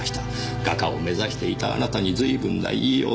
画家を目指していたあなたにずいぶんな言いようです。